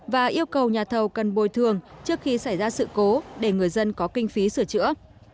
và yêu cầu nhà thầu cần bồi thường trước khi xảy ra sự cố để người dân có kinh phí sửa chữa